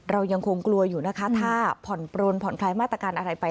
เรายังคงกลัวอยู่นะคะถ้าผ่อนปลนผ่อนคลายมาตรการอะไรไป